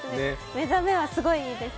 目覚めはすごくいいです。